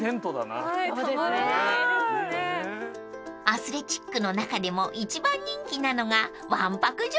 ［アスレチックの中でも一番人気なのが］